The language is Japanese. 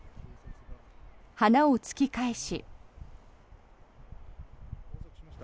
花を突き返し。